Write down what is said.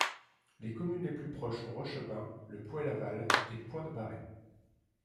Les communes les plus proches sont Rochebaudin, Le Poët-Laval et Pont-de-Barret.